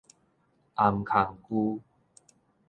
涵空龜